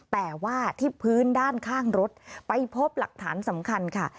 แต่ว่าที่พื้นด้านข้างรถไปพบหลักฐานสำคัญค่ะ